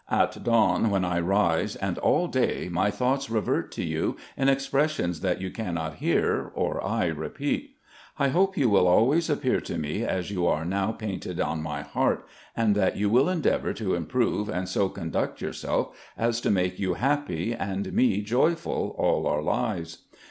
At dawn when I rise, and all day, my thoughts revert to you in expressions that you cannot hear or I repeat. I hope you will always appear to me as you are now painted on my heart, and that you will endeavour to improve and so conduct yotir self as to make you happy and me jojfful all our lives.